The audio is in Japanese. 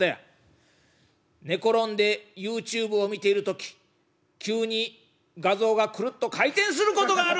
寝転んでＹｏｕＴｕｂｅを見ている時急に画像がクルッと回転することがある！」。